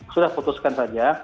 sudah putuskan saja